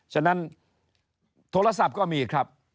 ฉะนั้นโทรศัพท์ก็มีครับ